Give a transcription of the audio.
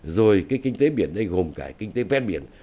rồi cái kinh tế biển đây gồm cả kinh tế ven biển